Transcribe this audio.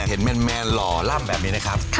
แมนหล่อล่ำแบบนี้นะครับ